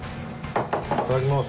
いただきます。